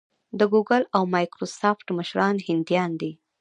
د ګوګل او مایکروسافټ مشران هندیان دي.